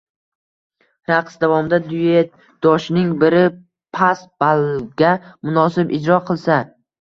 Raqs davomida duyetdoshning biri past ballga munosib ijro qilsa